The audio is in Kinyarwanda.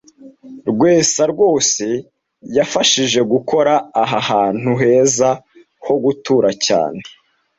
Rwesa rwose yafashije gukora aha hantu heza ho gutura cyane